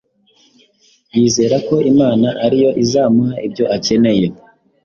yizera ko Imana ari yo izamuha ibyo akeneye.